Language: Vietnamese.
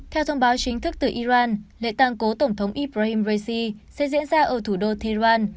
theo thông báo chính thức từ iran lễ tàng cố tổng thống ibram raisi sẽ diễn ra ở thủ đô tehran